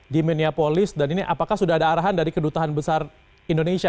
di minneapolis dan ini apakah sudah ada arahan dari kedutaan besar indonesia